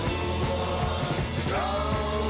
ก็เหนื่อย